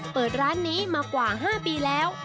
เปิดร้านนี้มากว่า๕ปีแล้ว